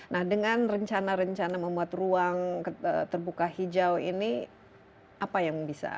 nah dengan rencana rencana membuat ruang terbuka hijau ini apa yang bisa